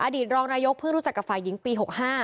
อดีตรองนายกเพื่อรู้จักกับฝายิ้งปี๖๕